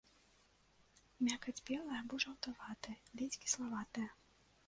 Мякаць белая або жаўтаватая, ледзь кіславатая.